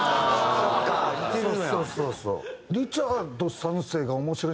そうそうそうそう。